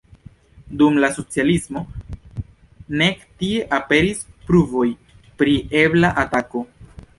Dum la socialismo nek tie aperis pruvoj pri ebla atako.